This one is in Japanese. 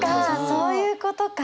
そういうことか。